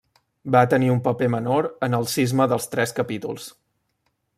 Va tenir un paper menor en el Cisma dels Tres Capítols.